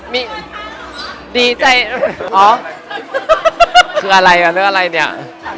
มีดีใจอ๋อคืออะไรอ่ะหรืออะไรเนี่ย